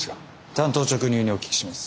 単刀直入にお聞きします。